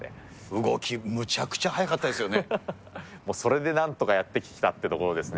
動きむちゃくちゃ速かったでそれでなんとかやってきたってところですね。